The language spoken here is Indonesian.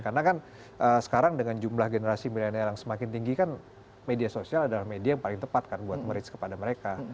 karena kan sekarang dengan jumlah generasi milenial yang semakin tinggi kan media sosial adalah media yang paling tepat kan buat meriz kepada mereka